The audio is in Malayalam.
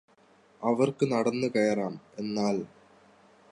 അവർക്ക് നടന്നു കയറാം എന്നാല്